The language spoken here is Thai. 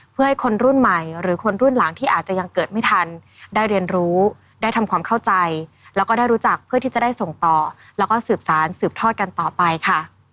เพื่อให้คนรุ่นใหม่หรือคนรุ่นหลังที่อาจจะยังเกิดไม่ทันได้เรียนรู้ได้ทำความเข้าใจแล้วก็ได้รู้จักเพื่อที่จะได้ส่งต่อแล้วก็สืบสารสืบทอดกันต่อไปค่ะ